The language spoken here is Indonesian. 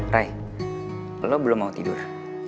rai lo belum mau tidur